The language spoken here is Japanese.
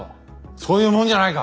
そういうもんじゃないか？